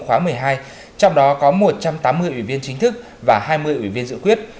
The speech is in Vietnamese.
khóa một mươi hai trong đó có một trăm tám mươi ủy viên chính thức và hai mươi ủy viên dự quyết